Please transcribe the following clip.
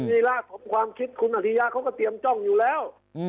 รีระของความคิดคุณอธิยาเขาก็เตรียมจ้องอยู่แล้ว